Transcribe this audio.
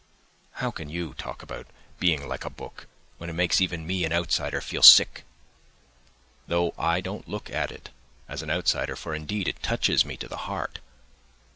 How can you talk about being like a book, when it makes even me, an outsider, feel sick? Though I don't look at it as an outsider, for, indeed, it touches me to the heart....